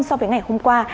so với ngày hôm qua